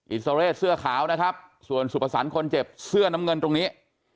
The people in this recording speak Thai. อิสราเรศเสื้อขาวนะครับส่วนสุพสรรค์คนเจ็บเสื้อน้ำเงินตรงนี้